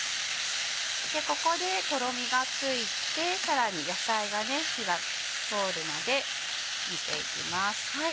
ここでとろみがついてさらに野菜が火が通るので煮ていきます。